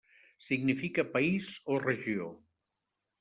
Significa 'país' o 'regió'.